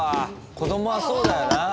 子供はそうだよな。